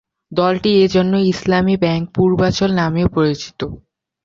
দলটি এ জন্য ইসলামী ব্যাংক পূর্বাঞ্চল নামেও পরিচিত।